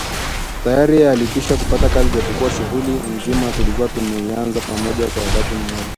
Tayari yeye alikwishapata kazi japokuwa shughuli nzima tulikuwa tumeianza pamoja kwa wakati mmoja